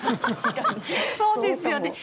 そうですよね。